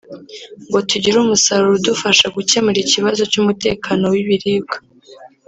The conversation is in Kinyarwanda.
ngo tugire umusaruro udufasha gukemura ikibazo cy’umutekano w’ibiribwa